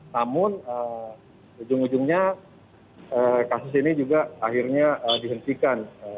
namun ujung ujungnya kasus ini juga akhirnya dihentikan